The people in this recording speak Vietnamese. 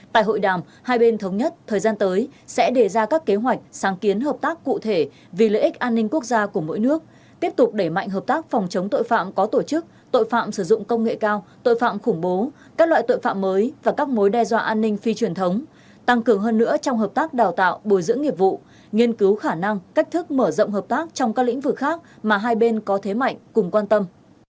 tại hội đàm hai bên thống nhất thời gian tới sẽ đề ra các kế hoạch sáng kiến hợp tác cụ thể vì lợi ích an ninh quốc gia của mỗi nước tiếp tục để mạnh hợp tác phòng chống tội phạm có tổ chức tội phạm sử dụng công nghệ cao tội phạm khủng bố các loại tội phạm mới và các mối đe dọa an ninh phi truyền thống tăng cường hơn nữa trong hợp tác đào tạo bồi dưỡng nghiệp vụ nghiên cứu khả năng cách thức mở rộng hợp tác trong các lĩnh vực khác mà hai bên có thế mạnh cùng quan tâm